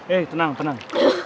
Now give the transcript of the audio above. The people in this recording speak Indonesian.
eh tenang tenang